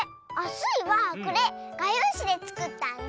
スイはこれ！がようしでつくったんだ。